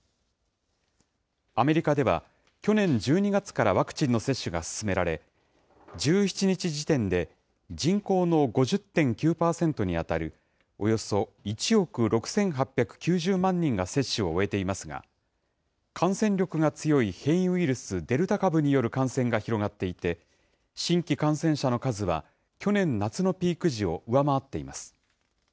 アメリカでは、去年１２月からワクチンの接種が進められ、１７日時点で、人口の５０．９％に当たる、およそ１億６８９０万人が接種を終えていますが、感染力が強い変異ウイルス、デルタ株による感染が広がっていて、新規感染者の数は去年夏のピーク時を上回っています。